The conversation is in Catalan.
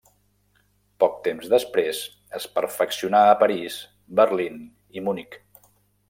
Poc temps després, es perfeccionà a París, Berlín i Munic.